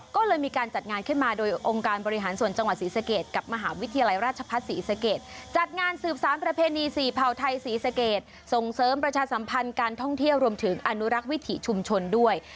ก็เลยมีการจัดงานขึ้นมาโดยองค์การบริหารส่วนจังหวัดศรีสเกตกับมหาวิทยาลัยราชพัฒนศรีสเกตจัดงานสืบสารประเพณีสี่เผ่าไทยศรีสเกตส่งเสริมประชาสัมพันธ์การท่องเที่ยวรวมถึงอนุรักษ์วิถีชุมชนด้วย